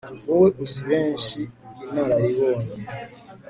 wowe uzi benshi inararibonye